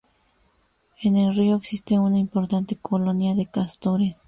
En el río existe una importante colonia de castores.